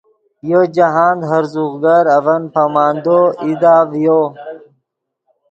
یو جاہند ہرزوغ گر اڤن پامندو ایدا ڤیو